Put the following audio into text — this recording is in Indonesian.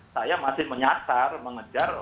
saya masih menyasar mengejar